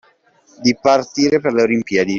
Di partire per le Olimpiadi